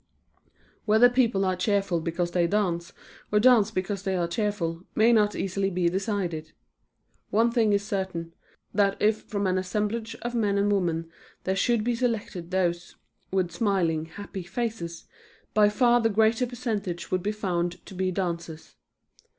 Whether people are cheerful because they dance, or dance because they are cheerful, may not easily be decided. One thing is certain, that if from an assemblage of men and women there should be selected those with smiling, happy faces, by far the greater percentage would be found to be dancers.